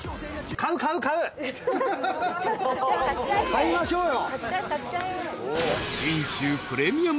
買いましょうよ。